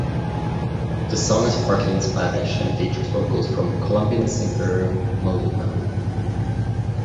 The song is partly in Spanish and features vocals from Colombian singer Maluma.